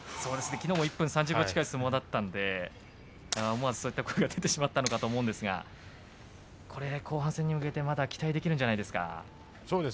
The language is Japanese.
きのうも１分３０秒近い相撲だったので思わずそういう声が出てしまったんだと思いますが、後半戦に向けて期待できるんじゃないですか。